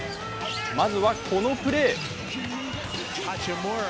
まずは、このプレー。